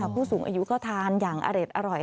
ผู้สูงอายุก็ทานอย่างอร่อย